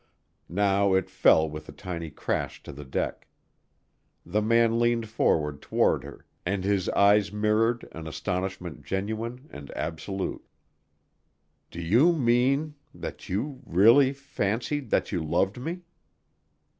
Now it fell with a tiny crash to the deck. The man leaned forward toward her and his eyes mirrored an astonishment genuine and absolute. "Do you mean ... that you really fancied ... that you loved me?"